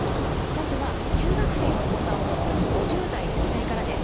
まずは中学生のお子さんを持つ５０代女性からです。